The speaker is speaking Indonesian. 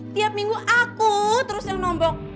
tiap minggu aku terus yang nombok